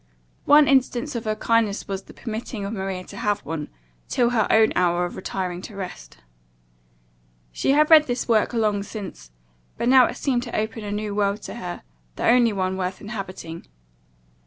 One instance of her kindness was, the permitting Maria to have one, till her own hour of retiring to rest. She had read this work long since; but now it seemed to open a new world to her the only one worth inhabiting.